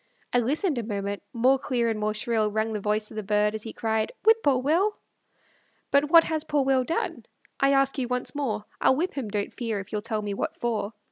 I listened a moment; more clear and more shrill Rang the voice of the bird, as he cried, "Whip poor Will." But what has poor Will done? I ask you once more; I'll whip him, don't fear, if you'll tell me what for.